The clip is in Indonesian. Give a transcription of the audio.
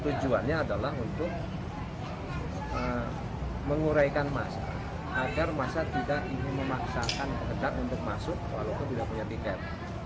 tujuannya adalah untuk menguraikan masa agar masa tidak ingin memaksakan sekedar untuk masuk walaupun tidak punya tiket